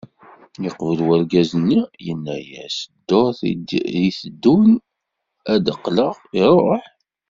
Yeqbel urgaz-nni, yenna-as, ddurt i d-iteddun ad d-qqleɣ, iruḥ.